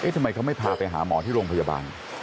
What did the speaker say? ทำไมเขาไม่พาไปหาหมอที่โรงพยาบาล